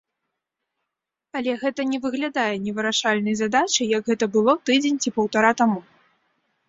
Але гэта не выглядае невырашальнай задачай, як гэта было тыдзень ці паўтара таму.